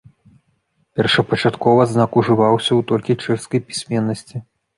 Першапачаткова знак ужываўся ў толькі чэшскай пісьменнасці.